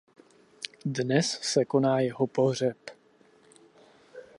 Dnes se koná jeho pohřeb.